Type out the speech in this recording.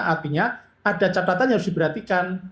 artinya ada catatan yang harus diperhatikan